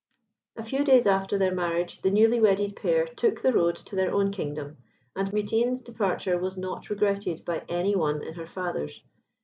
A few days after their marriage the newly wedded pair took the road to their own kingdom, and Mutine's departure was not regretted by any one in her Father's.